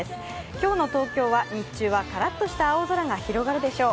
今日の東京は、日中はカラッとした青空が広がるでしょう。